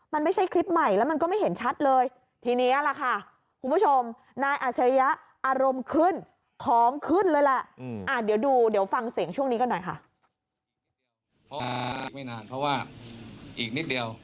ไม่นานเพราะว่าอีกนิดเดียว